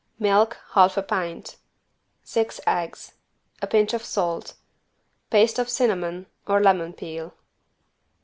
Milk, half a pint. Six eggs. A pinch of salt. Paste of cinnamon or lemon peel.